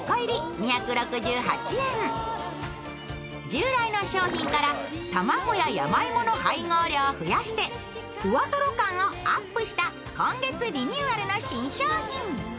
従来の商品から卵や山芋の配合量を増やしてふわとろ感をアップした今月リニューアルの新商品。